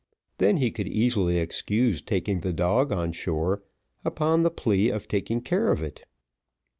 Then he could easily excuse taking the dog on shore, upon the plea of taking care of it.